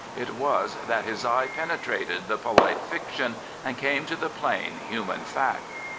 It was that his eye penetrated the polite fiction* and came to the plain, human fact.